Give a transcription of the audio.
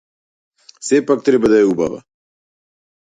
Сепак треба да е убава.